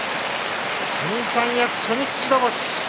新三役初日白星。